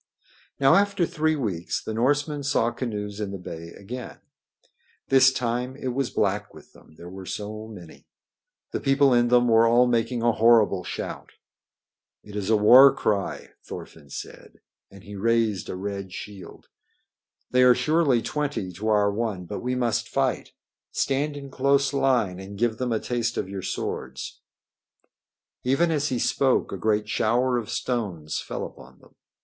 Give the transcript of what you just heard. Now after three weeks the Norsemen saw canoes in the bay again. This time it was black with them, there were so many. The people in them were all making a horrible shout. "It is a war cry," Thorfinn said, and he raised a red shield. "They are surely twenty to our one, but we must fight. Stand in close line and give them a taste of your swords." Even as he spoke a great shower of stones fell upon them.